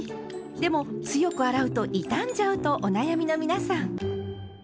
でも強く洗うと傷んじゃうとお悩みの皆さん。